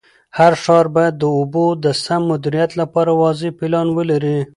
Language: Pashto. هر ښار باید د اوبو د سم مدیریت لپاره واضح پلان ولري.